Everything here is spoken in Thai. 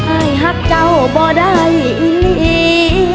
อายหักเจ้าบ่ได้อิลี